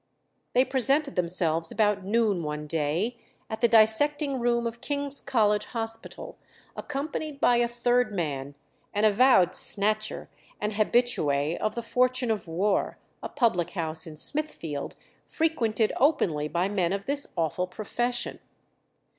They presented themselves about noon one day at the dissecting room of King's College Hospital, accompanied by a third man, an avowed "snatcher" and habitué of the Fortune of War, a public house in Smithfield frequented openly by men of this awful profession.